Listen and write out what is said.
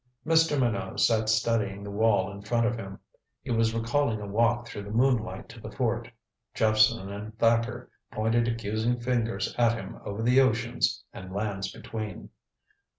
Mr. Minot sat studying the wall in front of him. He was recalling a walk through the moonlight to the fort. Jephson and Thacker pointed accusing fingers at him over the oceans and lands between.